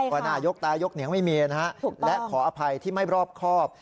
ใช่ค่ะถูกต้องและขออภัยที่ไม่รอบครอบ